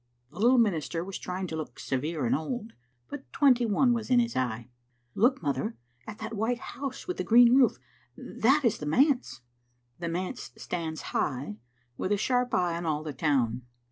The little min ister was trying to look severe and old, but twenty one was in his eye. " Look, mother, at that white house with the green roof. That is the manse." The manse stands high, with a sharp eye on all the town.